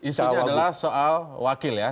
jadi isunya adalah soal wakil ya